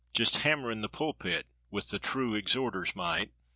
Just hammering the pulpit, with the true exhorter's might.